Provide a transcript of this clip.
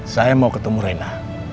saya mau ketemu rena